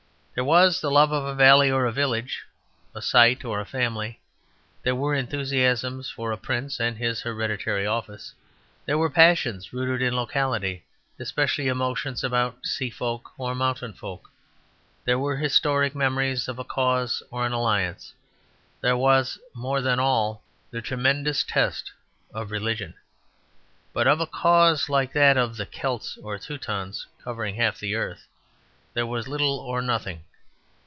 There was the love of a valley or a village, a site or a family; there were enthusiasms for a prince and his hereditary office; there were passions rooted in locality, special emotions about sea folk or mountain folk; there were historic memories of a cause or an alliance; there was, more than all, the tremendous test of religion. But of a cause like that of the Celts or Teutons, covering half the earth, there was little or nothing.